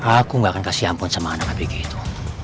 aku gak akan kasih ampun sama anak abk itu